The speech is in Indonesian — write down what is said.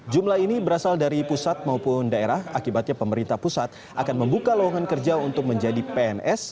jumlah ini berasal dari pusat maupun daerah akibatnya pemerintah pusat akan membuka lowongan kerja untuk menjadi pns